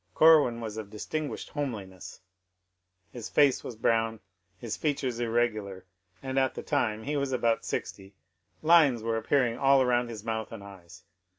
Cor win was of distinguished homeliness ; his face was brown, his features irregular, and at the time — he was about sixty — lines were appearing around his mouth and eyes.